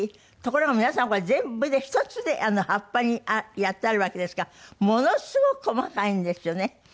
ところが皆さんこれ全部で１つで葉っぱにやってあるわけですからものすごく細かいんですよね。